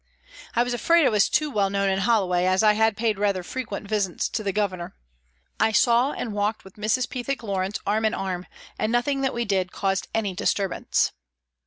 I was afraid I was too well known in Holloway, as I had paid rather frequent visits to the Governor. I saw and walked with Mrs. Pethick Lawrence, arm in arm, and nothing that we did caused any dis turbance.